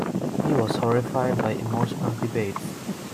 He was horrified by emotional debates.